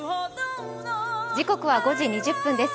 時刻は５時２０分です。